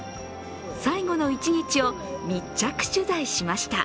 最後の一日を密着取材しました。